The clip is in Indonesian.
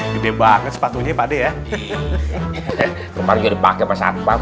gede banget sepatunya pada ya